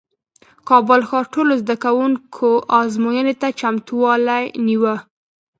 کابل ښار ټولو زدکوونکو ازموینې ته چمتووالی نیوه